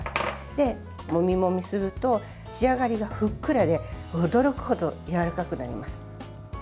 で、もみもみすると仕上がりがふっくらで驚くほどやわらかくなります。